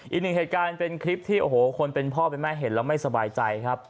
อีกหนึ่งเหตุการณ์เป็นคลิปที่โอ้โหคนเป็นพ่อเป็นแม่เห็นแล้วไม่สบายใจครับ